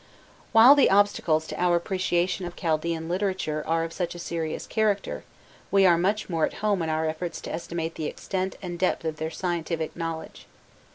While the obstacles to our appreciation of Chaldaeann literature are of such a serious character, we are much more at home in our efforts to estimate the extent and depth of their scientific knowledge.